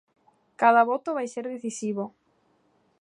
Cada voto vai ser decisivo.